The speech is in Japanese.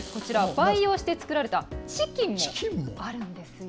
培養して作られたチキンもあるんですよ。